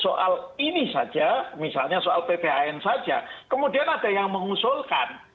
soal ini saja misalnya soal pphn saja kemudian ada yang mengusulkan